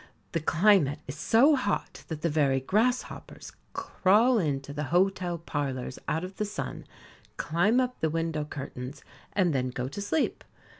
The climate is so hot that the very grasshoppers crawl into the hotel parlours out of the sun, climb up the window curtains, and then go to sleep.